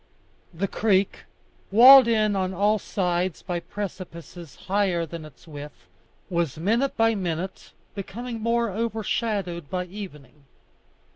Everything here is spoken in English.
The creek, walled in on all sides by precipices higher than its width, was minute by minute becoming more overshadowed by evening.